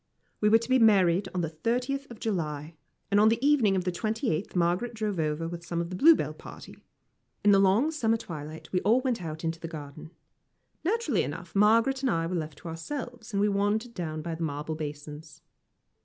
We were to be married on the thirtieth of July, and on the evening of the twenty eighth Margaret drove over with some of the Bluebell party. In the long summer twilight we all went out into the garden. Naturally enough, Margaret and I were left to ourselves, and we wandered down by the marble basins.